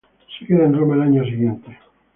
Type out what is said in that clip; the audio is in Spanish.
Se queda en Roma el año siguiente.